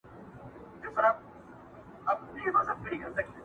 مور مې پۀ دواړه لاسه شپه وه موسله وهله،